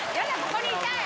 ここにいたい！